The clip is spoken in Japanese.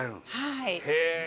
はい。